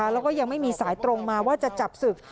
แล้วก็ยังไม่มีสายตรงมาว่าจะจับศึก